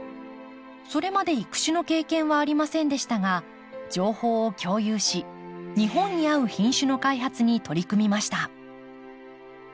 それまで育種の経験はありませんでしたが情報を共有し日本に合う品種の開発に取り組みました。